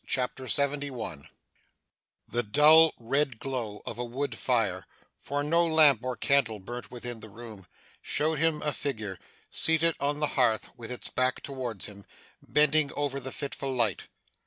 CHAPTER 71 The dull, red glow of a wood fire for no lamp or candle burnt within the room showed him a figure, seated on the hearth with its back towards him, bending over the fitful light.